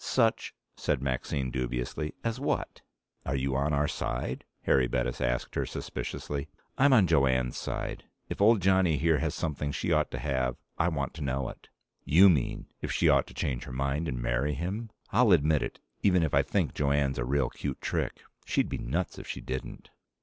"Such," said Maxine dubiously, "as what?" "Are you on our side?" Harry Bettis asked her suspiciously. "I'm on Jo Anne's side. If old Johnny here has something she ought to have, I want to know it." "You mean, if she ought to change her mind and marry him? I'll admit it even if I think Jo Anne's a real cute trick: she'd be nuts if she didn't."